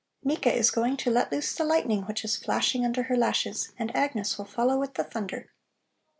"Nika is going to let loose the lightning which is flashing under her lashes, and Agnes will follow with the thunder.